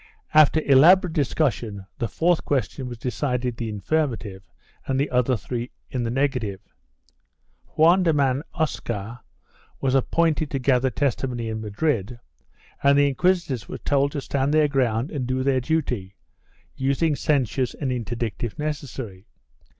After elaborate discussion the fourth question was decided in the affirmative and the other three in the negative. Juan de Manozca was appointed to gather testimony in Madrid, and the inquisitors were told to stand their ground and do their duty, using censures and interdict if neces sary.